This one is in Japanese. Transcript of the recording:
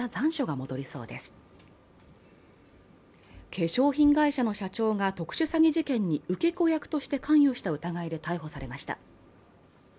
化粧品会社の社長が特殊詐欺事件に受け子役として関与した疑いで逮捕されました